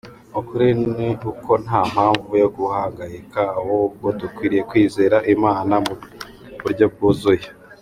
Ukuri ni uko nta mpamvu yo guhangayika, ahubwo dukwiriye kwizera Imana mu buryo bwuzuye.